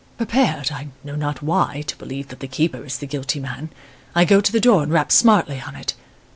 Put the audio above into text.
"Prepared I know not why to believe that the keeper is the guilty man I go to the door and rap smartly on it.